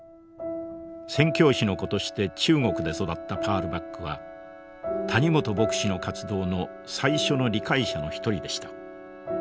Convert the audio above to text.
宣教師の子として中国で育ったパール・バックは谷本牧師の活動の最初の理解者の一人でした。